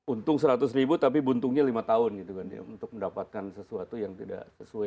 untung seratus ribu tapi buntungnya lima tahun gitu kan dia untuk mendapatkan sesuatu yang tidak sesuai